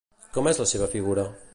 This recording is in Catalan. Com és la seva figura?